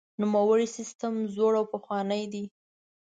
نوموړی سیستم زوړ او پخوانی دی.